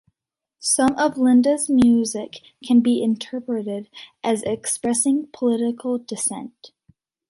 Some of Linda's music can be interpreted as expressing political dissent.